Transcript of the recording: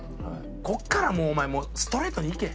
ここからお前もうストレートにいけ！